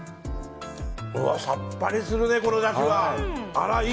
さっぱりするね、このだし！